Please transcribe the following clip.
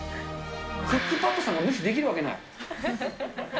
クックパッドさんが無視できるわけがない。